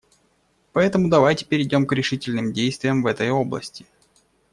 Поэтому давайте перейдем к решительным действиям в этой области.